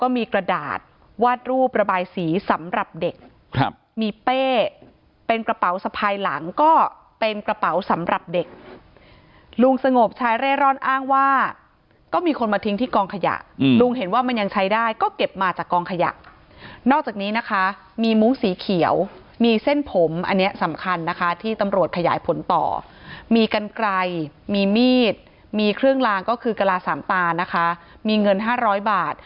มีกระดาษวาดรูประบายสีสำหรับเด็กครับมีเป้เป็นกระเป๋าสะพายหลังก็เป็นกระเป๋าสำหรับเด็กลุงสงบชายเร่ร่อนอ้างว่าก็มีคนมาทิ้งที่กองขยะลุงเห็นว่ามันยังใช้ได้ก็เก็บมาจากกองขยะนอกจากนี้นะคะมีมุ้งสีเขียวมีเส้นผมอันนี้สำคัญนะคะที่ตำรวจขยายผลต่อมีกันไกลมีมีดมีเครื่องลางก็คือกระลาสามตานะคะมีเงินห้าร้อยบาท